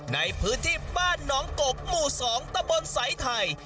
ในพื้นที่บ้านน้องกกหมู่๒ตะบนสายไทย